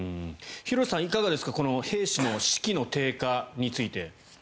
廣瀬さん、いかがですか兵士の士気の低下について。